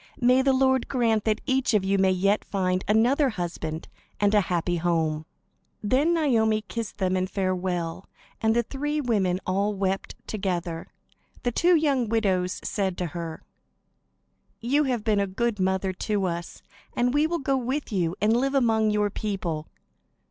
May the Lord grant that each of you may yet find another husband and a happy home." Then Naomi kissed them in farewell, and the three women all wept together. The two young widows said to her: "You have been a good mother to us, and we will go with you, and live among your people."